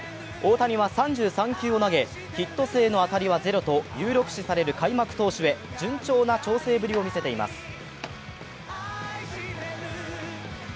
大谷は３３球を投げ、ヒット性の当たりはゼロと有力視される開幕投手へ順調な調整ぶりを見せています。